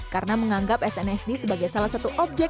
karena menganggap snsd sebagai salah satu penampilan